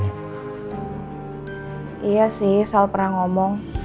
iya sih selalu pernah ngomong